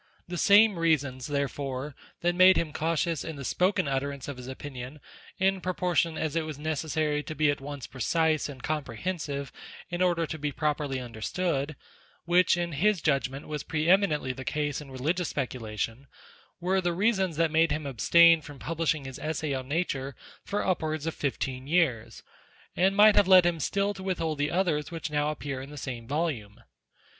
The same reasons, therefore, that made him cautious in the spoken utterance of his opinion in proportion as it was necessary to be at once precise and comprehensive in order to be properly un derstood; which in his judgment was pre eminently the case in religious speculation, were the reasons that made him abstain from publishing his Essay on Nature for upwards of fifteen years, and might have led him still to withhold the others which now appear in the same volume.